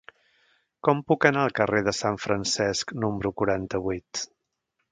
Com puc anar al carrer de Sant Francesc número quaranta-vuit?